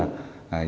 dùng chứng cứ là